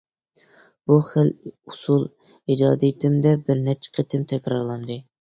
بۇ خىل ئۇسۇل ئىجادىيىتىمدە بىر نەچچە قېتىم تەكرارلاندى.